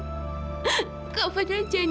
alina gak akan cerita sama siapapun